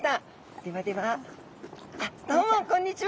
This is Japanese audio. ではではどうもこんにちは。